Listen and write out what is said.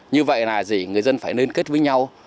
như vậy là gì người dân phải liên kết với nhau